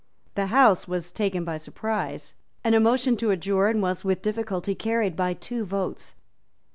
The House was taken by surprise; and a motion to adjourn was with difficulty carried by two votes.